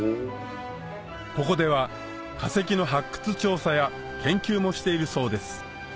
ここでは化石の発掘調査や研究もしているそうです